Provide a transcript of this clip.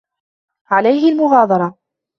عليه المغادرة.